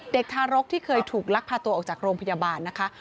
ทารกที่เคยถูกลักพาตัวออกจากโรงพยาบาลนะคะ